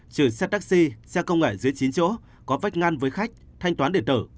trừ xe taxi xe công nghệ dưới chín chỗ có vách ngăn với khách thanh toán điện tử